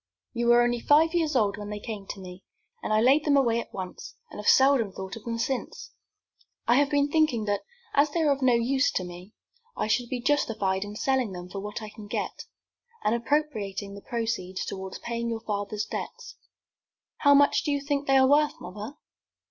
"You were only five years old when they came to me, and I laid them away at once, and have seldom thought of them since. I have been thinking that, as they are of no use to me, I should be justified in selling them for what I can get, and appropriating the proceeds toward paying your father's debts." "How much do you think they are worth, mother?"